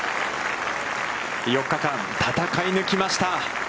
４日間、戦い抜きました。